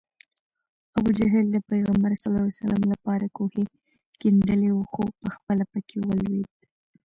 ابوجهل د پیغمبر ص لپاره کوهی کیندلی و خو پخپله پکې ولوېد